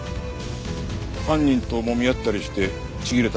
犯人ともみ合ったりしてちぎれたのかもしれんな。